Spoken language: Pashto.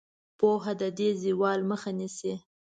پوهه د دې زوال مخه نیسي.